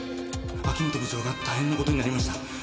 秋本部長が大変な事になりました。